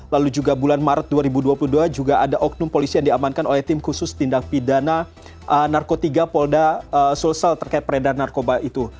lalu juga bulan maret dua ribu dua puluh dua juga ada oknum polisi yang diamankan oleh tim khusus tindak pidana narkotika polda sulsel terkait peredaran narkoba itu